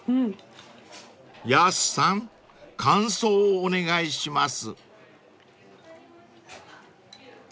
［やすさん感想をお願いします］